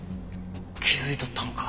気づいとったんか。